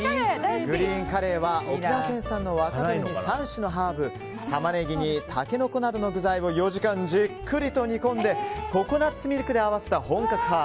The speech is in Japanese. グリーンカレーは沖縄県産の若鶏に３種のハーブタマネギにタケノコなどの具材を４時間、じっくりと煮込んでココナツミルクで合わせた本格派。